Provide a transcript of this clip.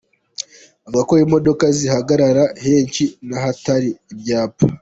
Bavuga ko imodoka zihagarara henshi n’ahatari ibyapa.